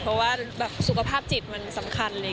เพราะว่าสุขภาพจิตมันสำคัญเลย